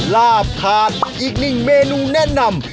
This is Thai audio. ลาบขาดอีกหนึ่งเมนูแนะนำ